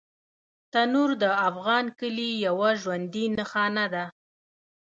تنور د افغان کلي یوه ژوندي نښانه ده